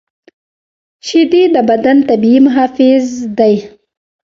شیدې د بدن طبیعي محافظ دي